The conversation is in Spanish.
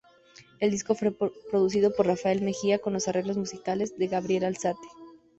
El disco fue producido por Rafael Mejía con los arreglos musicales de Gabriel Alzate.